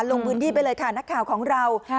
ลงพื้นที่ไปเลยค่ะนักข่าวของเรา